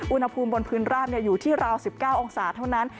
อุณหภูมิบนพื้นราบอยู่ที่ราว๑๙องศาเท่านั้น